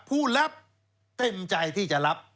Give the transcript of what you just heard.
ผู้รับเต็มใจที่จะรับ